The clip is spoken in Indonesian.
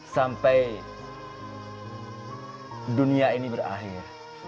sampai dunia ini berakhir